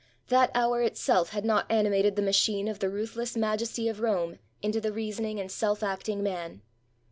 That hour itself had not animated the machine of the ruthless majesty of Rome into the reasoning and self acting man.